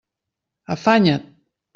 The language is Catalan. Afanya't!